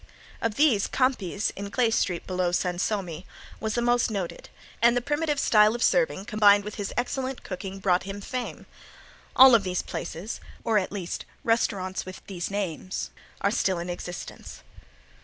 Of these Campi's, in Clay street below Sansome, was the most noted, and the primitive style of serving combined with his excellent cooking brought him fame. All of these places, or at least restaurants with these names, are still in existence.